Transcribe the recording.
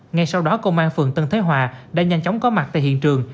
ngay sau đó công an phường tân thế hòa đã nhanh chóng có mặt tại hiện trường